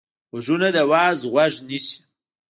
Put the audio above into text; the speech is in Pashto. غوږونه د وعظ غوږ نیسي